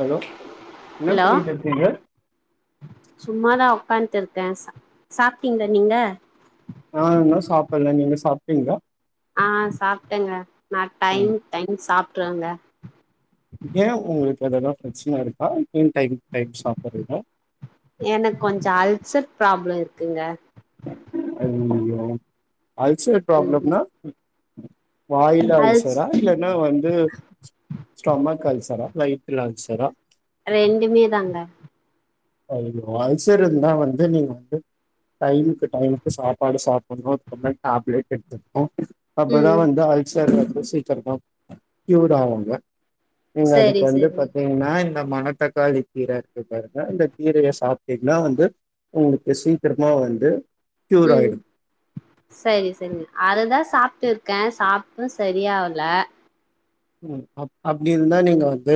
Hello என்ன பன்னிட்டு இருக்கிங்க சும்மாதான் உக்கார்ந்ட்டு இருக்கேன் சாப்பிட்டீங்கள நீங்க ஆஹ் இன்னும் சாப்பில நீங்க சாப்பிட்டீங்களா ஆஹ் சாப்பிட்டேங்க நான் டைம்க்கு டைம் சாப் ட்டுறுவேங்க ஏன் உங்களுக்கு அதெல்லாம் பிரச்சனை இருக்கா ஏ டைம் டைம் சாப்பிடுறீங்க எனக்கு கொஞ்சம் அல்சர் பிராப்ளம் இருக் குங்க [unintelligible] அல்சர் ம் பிராப்ளம்னா [inaudible] வாயில அல்ஸ் அல்சரா இல்லைன்னா வந்து ஸ்டொமக் அல்சரா வயிதுல அல்சரா ரெண்டுமே தாங்க அல்சர் இருந்தா வந்து நீங்க வந்து டைமுக்கு டைமுக்கு சாப்பாடு சாப்பிடணும் அதுக்கு டேப்லெட் எடுத்துக்கனும் ம் அப்பதான் வந்து அல்சர் சீக்கரத்துல க்யூர் அவுங்க நீங்க அதுக்கு சரி வந்து சரி பாத்தீங்கன்னா மனத்தக்காளி கீர [unintelligible] இந்த கீரைய சாப் திங்கண்ணா வந்து உங்களுக்கு சீக்கிரம் மா வந்து க்யூர் உம் ஆயிடும் சரி சரி அதுதான் சாப் ப்ட்டுருக்கேன் சாப்ட்டும் சரியாவல ம் அப் அப்படி இருந்தா நீங்க வந்து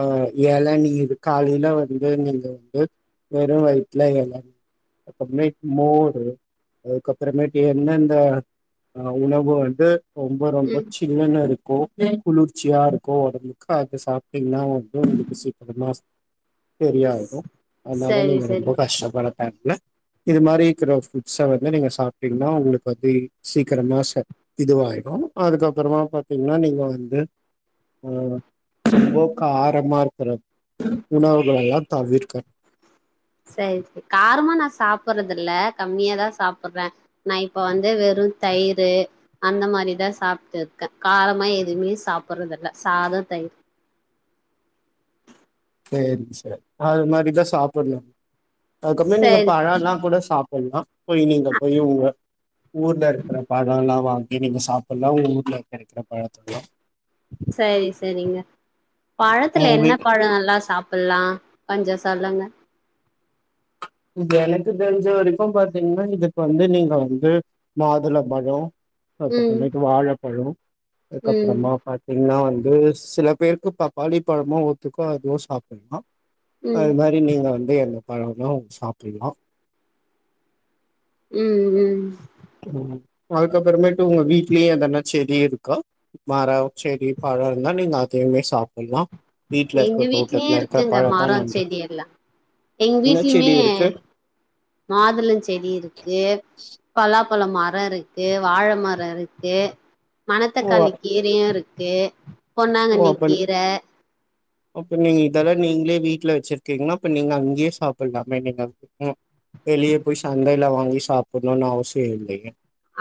அஹ் ஏலநீர் காலையில வந்து நீங்க வந்து வெறும் வயிதுல ஏலநீ அதுக்கறமே மோரு அதுக்கப்புறமேட்டு எந்தெந்த அஹ உணவு வந்து ரொம்ப ரொம்ப ம் சில்லுனு இருக்கு ஓகே குளிர்ச்சியா இருக்கும் உடம்புக்கு அத சாப்டீங்ன்னா வந்து உங்களுக்கு சீக்கிரமா சரியாயிடும் அதனால சரி நீங்க ரொம்ப சரிங்க கஷ்ட பட [unintelligible] இது மாரி இருக்கிற ஃபுட்ஸை வந்து நீங்கள் சாப்பிட்டீங்கன்னா உங்களுக்கு வந்து சீக்கிரமாக இதுவாகிடும் அதுக்கப்புறமா பார்த்தீங்கன்னா நீங்கள் வந் து உம் ரொம்ப காரமா இருக் [unintelligible] உணவுகளெல்லாம் தவீர்கனும் சரி காரமா நான் சாப்பிறது தில்ல கம்மியா தான் சாப் சாப்பிடுறேன் நான் இப்ப வந்து வெறும் தயிர் அந்த மாரிதான் சாப்பிட்டு இருக்கேன் காரமா எதுவுமே சாப்பிடறது இல்ல சாதம் தயிர் சேரி சேரி அது மாரிதான் சாப்புனும் அதுகபுறம் நீங்க சரி பழ எல்லாம் கூட சாப்பிடலாம் போய் நீங்க போய் உங்க ஊர்ல இருக்கிற பழம் எல்லாம் வாங்கி நீங்க சாப்பிடலாம் உங்க ஊர்ல இருக்க இருக்கிற பழத்த எல்லாம் சரி சரிங்க பழத்துல என்ன உங்களுக்கு பழம் நல்லா சாப்ப ப்பல்லாம் கொஞ்சம் சொல்லுங்க எனக்கு தெரிஞ்ச வரைக்கும் பாத்தீங்கன்னா இதுக்கு வந்து நீங்க வந்து மாதுள பழம் ம் அதுகப்பரமேட்டு வாழைப்பழம் ம் அதுக்கப்புறமா பாத்தீங்கன்னா வந் ஒரு சில பேருக்கு பப்பாளி பழமோ ஒத்துக்கோ அதுவும் சாப்பிடலாம் ம் அது மாறி நீங்க வந் [unintelligible] சாப்பிடலாம் உம் உம் உம் அதுக்கப்புறமேட்டு உங்க வீட்லயும் எதெனா செடி இருக்கா மரம் செடி பழம் இருந்தா நீங்க அதையுமே சாப்பிடலாம் எங்க வீட்லயே இருக்குங்க தா மறம் நல்லது செடி எல்லாம் எங்க என்ன செடி வீட்லயுமே இருக்கு மாதுளம் செடி இருக்கு பலா பல மரம் இருக்கு வாழை மரம் இருக்கு ஓ மனத்தக்காளி கீரையும் இருக் [unintelligible] ஓ பொன்னாங்கன்னி அப்ப கீரை அப்ப நீங்க இதெல்லாம் நீங்களே வீட்டுல வச்சிருக்கீங்கன்னா அப்ப நீங்க அங்கயே சாப்பிடலாமே நீங்க வெளிய போய் சந்தைல வாங் போய் சாப்புடுனும் அவசியில்லயே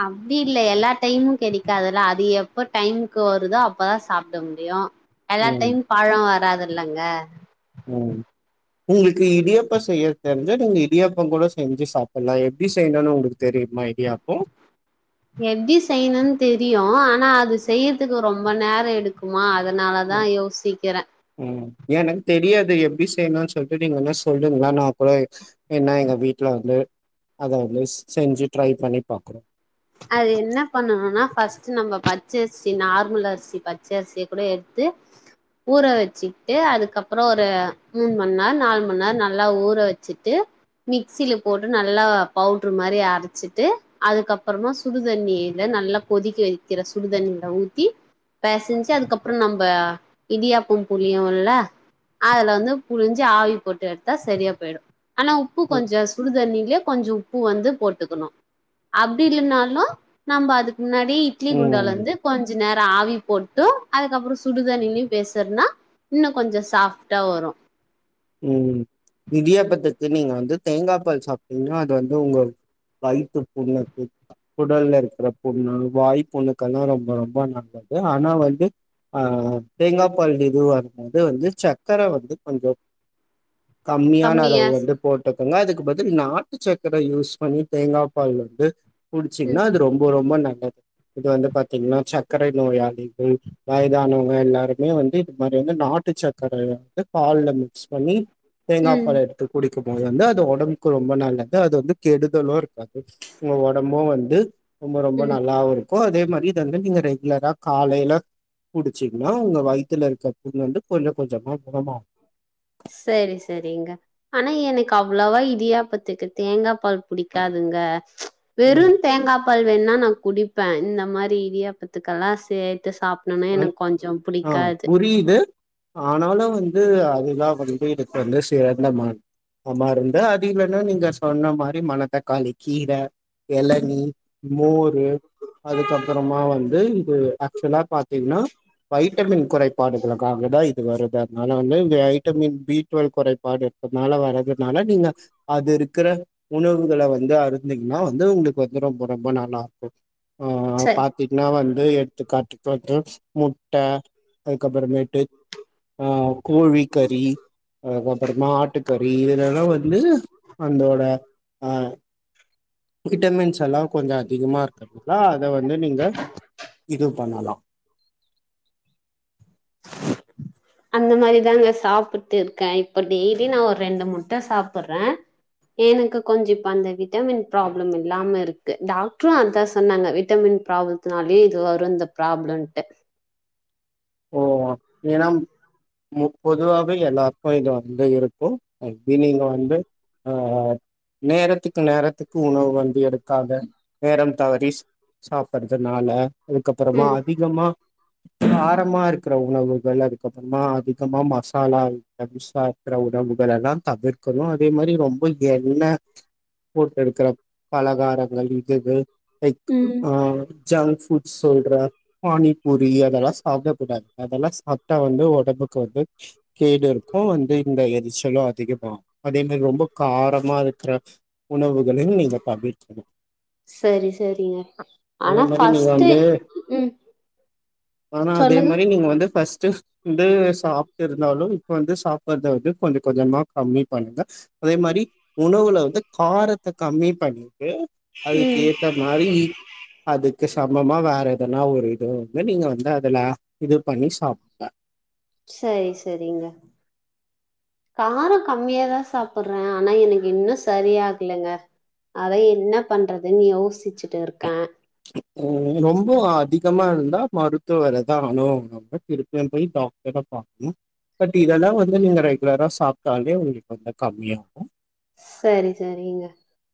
அப்படி இல்லை எல்லா டைமும் கிடைக்காதுல்ல அது எப்ப டைமுக்கு வருதோ அப்பதான் சாப்பிட முடியும் எல்லா ம் டைம் பழம் வராது இல்லைங்க ம் உங்களுக்கு இடியாப்ப செய்ய தெரிஞ்சா நீங்க இடியாப்பம் கூட செஞ்சு சாப்பிடலாம் எப்படி செய்யணும்னு உங்களுக்கு தெரியுமா இடியாப்பம் எப்படி செய்யணுன்னனு தெரியும் ஆனா அது செய்யறதுக்கு ரொம்ப நேரம் எடுக்குமா அதனாலதா ம் யோசிக்கிறே உம் எனக்கு தெரியாது எப்படி செய்யணும்னு சொல்லிட்டு நீங்க என்ன சொல்லுங்கள ந கூட என்ன எங்க வீட்டுல வந்து அத வந்து செஞ்சு ட்ரை பண்ணி பாக்குறோம் அது என்ன பண்ணனும்னா ஃபஸ்ட் நம்ம பச்சை அரிசி நார்மல் அரிசி பச்சை அரிசியை கூட எடுத்து ஊற வச்சுக்கிட்டு அதுக்கப்புறம் ஒரு மூணு மணி நேரம் நாலு மணி நேரம் நல்லா ஊற வச்சுட்டு மிக்சில போட்டு நல்லா பவுட்ரு மாதிரி அரைச்சிட்டு அதுக்கப் அப்புறமா சுடுதண்ணியில நல்லா கொதிக்க வைக்கிற சுடுதண்ணியில் ஊத்தி பிசைஞ்சு அதுக்கப்புறம் நம்ம இடியாப்பம் புழியும் இல்ல அதுல வந்து புழிஞ்சு ஆவி போட்டு எடுத்தா சரியா போயிடும் ஆனா உப்பு ம், கொஞ்சம் சுடுதண்ணியிலயே கொஞ்சம் உப்பு வந்து போட்டுக்கணும் ப்படி இல்லைனாலும் நம்ம அதுக்கு முன்னாடிே இட்லி குண்டால ம், இருந்து கொஞ்சம் கொஞ்ச நேரம் ஆவி போட்டு அதுக்கப்புறம் சுடுதண்ணிலயும் பெசறுன்னா இன்னும் கொஞ்சம் சாஃப்ட்டா வரும் உம் இடியாப்பத்த தது நீங்க வந்து தேங்காய் பால் சாப்பிட்டீங்கன்னா அது வந்து உங்க வயித்து புண்ணுக்கு குடல்ல இருக்கிற புண்ணு வாய் புண்ணுக்கெல்லாம் ரொம்ப ரொம்ப நல்லது ஆனா வந்து ஆஹ் தேங்காய் பால் இது வரும்போது வந்து சர்கக்கரை வந்து கொஞ்சம் கம்மியான அளவு கம்மியா வந்து போட்டு னா அதுக்கு பதில் நாட்டு சக்கர யூஸ் பண்ணி தேங்காய் பால் வந்து ம் குடிச்சிங்கன்னா அது ரொம்ப ரொம்ப நல் இது வந்து பாத்தீங்கன்னா சர்க்கரை நோயாளிகள் வயதானவங்கள் எல்லாருமே வந்து இது மாரி வந்து நாட்டு சர்க்கரை வந்து பால்ல மிக்ஸ் பண்ணி தேங்காய் ம் பால் எடுத்து குடிக்கும் போது வந்து அது ஒடம் ரொம்ப நல்லது அது வந்து கெடுதலும் இருக்காது உங்க உடம்பும் வந்து ரொம்ப ரொம்ப ம் நல்லாவும் இரு க்கு அதே மாதிரி இத வந்து நீங்க ரெகுலரா காலையில குடிச்சீங்கன்னா உங்க வயி த்துலஇருக்கிற புண்ணு வந்து கொஞ்சம் கொஞ்சமா குணம் ஆகும் சரி சரிங்க ஆனா எனக்கு அவ்வளவா இடியாப்பதுக்கு தேங்காய் பால் புடிக்காதுங்க வெறும் தேங்காய் பால் வேணுன்னா குடிப்பேன் இந்த மாரி இடியாப்பத்து எல்லாம் சேத் சாப்பினுனான் எனக்கு கொஞ்சம் ஆ பிடிக்காது புரியுது ஆனாலும் வந்து அதுலாம் வந்து இதுக்கு வந்து சிறந்த ம ஆமா இருந்த அது இல்லன்னா நீங்க சொன்ன மாதிரி மணத் தக்காளி கீரை இளநி மோர் அதுக்கப்புறமா வந்து இ ஆக்சுவலா பாத் எப்டின்னா வைட்டமின் குறைபாடுகளுக்காக தான் இது வருது அதனால வந்து இங்க வைட்டமின் பி டுவல் குறைபாடு இருப்பதுனால வர்றதுனால நீங்க அது இருக்கிற உணவுகளை வந்து அருந்தீங்கன்னா வந்து உங்களுக்கு வந்து ரொம்ப ரொம்ப நல்லா இருக்கும் ஆ ச பாத்தீங்கன்னா வந்து கண்டிப்பா முட்டை அதுக்கப்புறமேட்டு ஆஹ் கோழி கறி அதுக்கப்புறமா ஆட்டுக்கறி இதல்லாம் வந்து அந்தோட ஹ் விட்டமின்ஸ் எல்லாம் கொஞ்சம் அதிகமாக இருக்குதுங்களா அதை வந்து நீங்கள் இது பண்ணலாம் அந்த மாதிரிதான் அங்க சாப்பிட்டு இருக்கேன் இப்ப டெய்லி நான் ஒரு ரெண்டு முட்டை சாப்பிடுறேன் எனக்கு கொஞ்சம் இப்ப அந்த விட்டமின் ப்ராப்ளம் இல்லாம இருக்கு டாக்டரும் அதான் சொன்னாங்க விட்டமின் ப்ராப்ளத்தினாலயே இது வரும் இந்த ப்ராப்ளம்ட்டு ஓ ஏன்னா மு பொதுவாவே எல்லாருக்கும் இது வந்து இருக்கும் இனி நீங்க வந்து அஹ் நேரத்துக்கு நேரத்துக்கு உணவு வந்து எடுக்காம நேரம் தவறி சாப்படறதுனால அதுக்கப்புறமா ம் அதிகமா கார இருக்கிற உணவுகள் அதுக்கப்புறமா அதிகமா மசாலா ஐட்டம் சா இருக்கிற உணவுகள் எல்லாம் தவிர்க்கணும் அதே மாதிரி ரொம்ப எண்ணெய போட்டுடுக்கிற பலகாரங்கள் இதுகள் ம் அஹ ஜங்க் ஃபுட்ஸ் சொல்றேன் பானிபூரி அதெல்லாம் சாப்பிடக்க கூடாது அதெல்லாம் சாப்பிட்டா வந்து உடம்புக்கு வந்து கேடு இருக்கும் வந்து இந்த எரிச்சலும் அதிகமாகும் அதே மாதிரி ரொம்ப காரமா இருக்கிற உணவுகளையும் நீங்க தவிர்க்கணும் சரி சரிங்க அதே ஆனா மாதிரி நீங்க ஃபஸ்ட்டு வந்து ம் ஆனா அதே சொல்லுங்க மாதிரி நீங்க வந்து ஃபர்ஸ்ட்டு வந்து சாப்பிட்டு இருந்தாலும் இப்போ வந்து சாப்பிட்றத வந்து கொஞ்சம் கொஞ்சமாக கம்மி பண்ணுங்கள் அதே மாதிரி உணவு வந்து காரத்தை கம்மி பண்ணி அதுக்கு ம் ஏற்ற மாதிரி அது சமமா வேற எதனா ஒரு இது வந்து நீங்க வந்து இதெலாம் இது பண்ணி சாப்பிடு சரி சரிங்க காரம் கம்மியாதான் சாப்பிடுறேன் ஆனா எனக்கு இன்னும் சரியாகலைங்க அதை என்ன பண்றதுன்னு யோசிச்சுட்டு இருக்கேன் ரொம்ப அதிகமா இருந்தா மருத்துவரதான் அனுகனு நம்ம திருப்பியும் போய் டாக்டரை பாரக்கணும் பட் இதெல்லாம் வந்து நீங்க ரெகுலரா சாப்பிட்டாலே உங்களுக்கு வந்து கம்மியாகும் சரி சரிங்க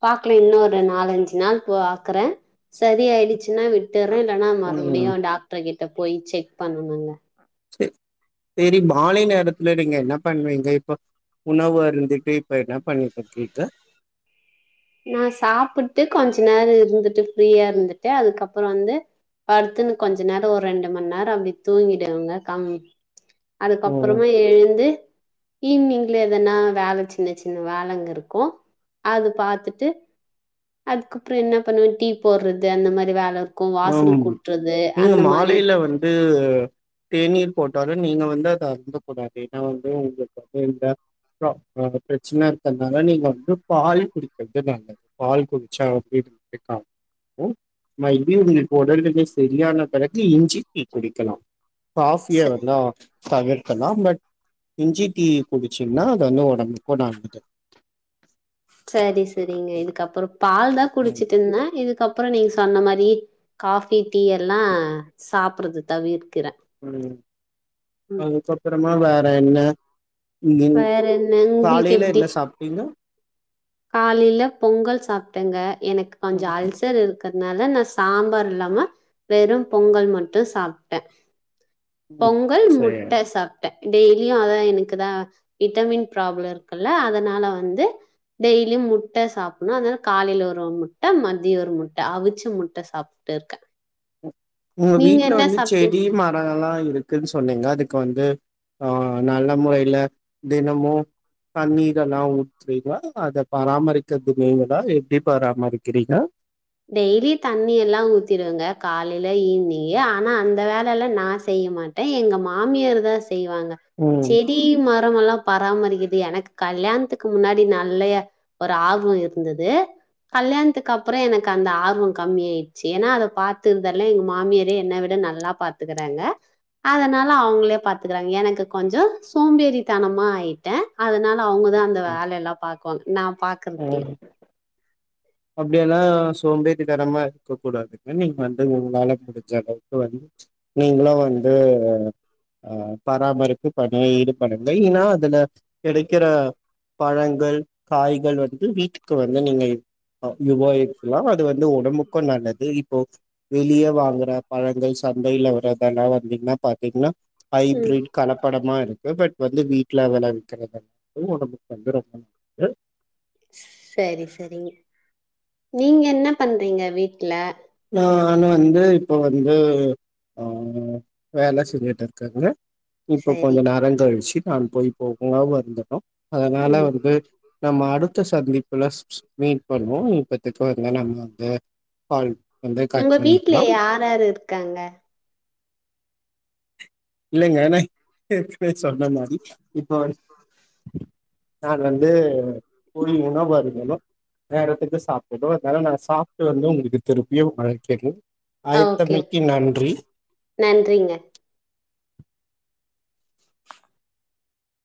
பாக்கல இன்ன ஒரு நாலஞ்சு நாள் பாக்குறேன் சரி ஆயிடுச்சுன்னா விட்டு விட்டுறேன் இல்லைனா ம் மறுபுடியும் டாக்டர் கிட்ட போய் செக் பண்ணனுங்க சரி சரி மாலை நேரத்துல நீங்க என்ன பண்ணுவீங்க இப்ப உணவு அருந்துட்டு இப்ப என்ன பண்ணிட்டு இருக்கீங்க நான் சாப்பிட்டு கொஞ்ச நேரம் இருந்துட்டு ஃப்ரீயா இருந்துட்டு அதுக்கப்புறம் வந்து படுத்துன்னு கொஞ்ச நேரம் ஒரு ரெண்டு மணி நேரம் அப்படி தூங்கிடுவங்க கம் ம் அதுக்கப்புறமா எழுந்து ஈவினிங்ல எதனா வேலை சின்ன சின்ன வேலைங்க இருக்கும் அது பார்த்துட்டு டு அதுக்கப்புறம் என்ன பண்ணுவ டீ போடுறது அந்த மாதிரி வேலை ஒரு இருக்கும் வாசல் ம் கூட்டுறது நீங்க அந்த மாதிரி மாலையில இருக்கும் வந்து தேநீர் போட்டாலும் நீங்க வந்து அத அருந்தக்கூடாது ஏன்னா வந்து உங்களுக்கு வயிற்ல பிரச்சனை இருக்கனால நீங்க வந்து பால் குடிக்கிறது நல்லது பால் குடிச்சா அப்பக்க உங்களுக்கு உடல்நில சரியான பிறகு இஞ்சி டீ குடிக்கலாம் ச காஃபியா வேணா தவிர் க்கலா பட் இஞ்சி டீ குடிச்சீங்னா அது வந்து ஒடம்புக்கு நல்லது சரி சரிங்க இதுக்கப்புற பால்தா ம் குடிச்சிட்டு இருந்தே இதுக்க ப்றோ நீங்க சொன்ன மாரி காஃபி டீ எல்லா சாப்பட்றது தவிர் உம் அதுக்கப்புறமா வே ற என்ன நீங்க வேற என்ன உங்களுக்கு காலைல எப்படி என்ன சாப்ட்டீங்க காலையில பொங்கல் சாப்டேங்க எனக்கு கொஞ்ச அல்சர் இருக்க றனால நா சாம்பார் இல்லாம வெறும் பொங்கல் மட்டு சாப்ட்டே ம் பொங்கல் சேரி முட்டை சாப்ட்டே டெய்லியு அதான் எனக்குதா விட்டமின் ப்ராப்ளோ இருக்குல்ல அதனால வந்து டெய்லியு முட்டை சாப்டணு அதனால காலைல ஒரு முட்டை மதியோ ஒரு முட்டை அவிச்ச முட்டை சாப்ட்டு இருக்கே உங்க வீட்ல வந்து செடி மரோ எல்லா இருக்குன்னு சொன்னீங்க அது க்கு வந்து ஆஹ் நல்ல முறையில தினமு தண்ணீர் எல்லா ஊத்துறீங்களா அத பராமரிக்கிறது நீீங்களா எப்டி பராமரிக்கிறீங்க டெய்லி தண்ணி எல்லா ஊத்திடுவங்க காலைல ஈவினிங்கு ஆனா அந்த வேல எல்லா நா செய்ய மாட்டே எங்க மாமியார்தா செய்வாங்க ம் செடி மரோ எல்லா பராமரிக்கறது எனக்கு கல்யாணத்துக்கு முன்னாடி நல்ல ஒரு ஆர்வோ இருந்தது கல்யாணத்துக்கு அப்புற என க்கு அந்த ஆர்வோ கம்மி ஆயிடுச்சு ஏன்னா அத பாத்துறதல்லா எங்கள் மாமியாரே என்னை விட நல்லா பாத்துக்கறாங்க அதனால அவங்களே பாத்துக்கறாங்க எனக்கு கொஞ்ச சோம்பேறித்தனமா ஆயிட்டே அதனால அவங்கதா அந்த வேல எல்லா பாக் நான் பாக்குறதுல்ல ம் அப்டியெல்லா சோம்பேறித்தனமா இருக்கக்கூடாதுங்க நீங்க வந்து உங்களால முடிஞ்ச அளவுக்கு வந்து நீங்களு வந்து ஆஹ் அ பராமரிப்பு பண்ண ஈடுபடுங்க ஏன்னா அதுல கெடைக்கிற பழங்கள் காய் கள் வந்து வீட்டுக்கு வந்து நீங்க அ உபயோகிக்கலா அ து வந்து ஒடம்புக்கும் நல்லது இப் போ வெளிய வாங்குற பழங்கள் சந்தைல வறதெல்லா வந்தீங்கன்னா பாத்தீங்கன்னா ம். ஹைபிரிட் கலப்படமா இரு க்கு பட் வந்து வீட்ல வெளைவிக்கறது வந்து ஒடம்புக்கு வந்து ரொம்ப [unintelligible] செரி செரிங் நீங்க என்ன பண்றீங்க வீட்ல நா நா வந்து இப்போ வந்து ஆஹ் வேல செஞ்சுட்ருக்கங்க இப்ப சரி. கொஞ்ச நேரங்கழிச்சு நான் போய் [unintelligible] அதனால ம். வந்து நம்ம அடுத்த சந்திப்புல மீட் பண்ணுவோ இப்பத்துக்கு வந்து நம்ம வந்து கால் வந்து கட் உங்க வீட்ல பண்ணிக்கலாம் யார் யாரு இருக்காங்க இல்லங்க நா பேச்சொடனே மாரி இப்போ. நா வந்து போயி உணவு அருந்தனும். நேரத்துக்கு சாப்பணும் அதனால நா சாப்புட்டு வந்து உடங்களுக்கு திருப்பியும் அழைக்குறன். ஓகே நன்றிங்க.